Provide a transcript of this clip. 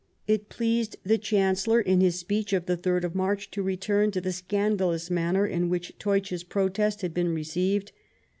It pleased the Chancellor, in his speech of the 3rd of March, to return to the scandalous manner in which Teutsch 's protest had been received.